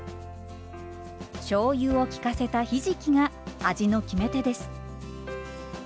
しょうゆを効かせたひじきが味の決め手です。